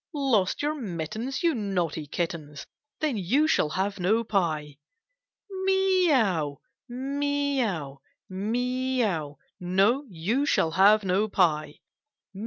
'" Lost your mittens ! You naughty Kittens! Then you shall have no pie." "Mee ow, mee ow, mee ow!" " No, you shall have no pie."